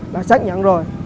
là xác nhận rồi